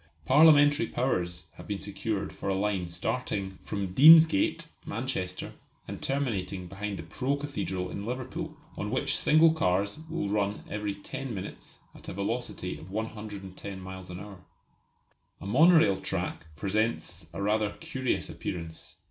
Parliamentary powers have been secured for a line starting from Deansgate, Manchester, and terminating behind the pro Cathedral in Liverpool, on which single cars will run every ten minutes at a velocity of 110 miles an hour. A monorail track presents a rather curious appearance.